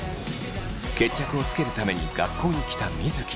決着をつけるために学校に来た水城。